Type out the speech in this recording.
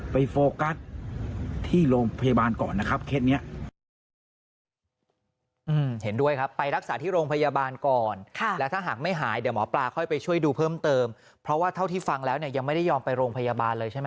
ไปโฟกัสที่โรงพยาบาลก่อนนะครับ